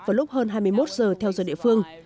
vào lúc hơn hai mươi một giờ theo giờ địa phương